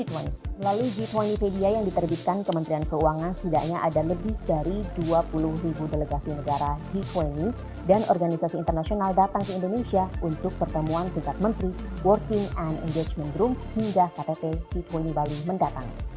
melalui g dua puluh media yang diterbitkan kementerian keuangan setidaknya ada lebih dari dua puluh ribu delegasi negara g dua puluh dan organisasi internasional datang ke indonesia untuk pertemuan tingkat menteri working and engagement group hingga ktt g dua puluh bali mendatang